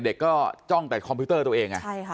เด็กก็จ้องแต่คอมพิวเตอร์ตัวเอง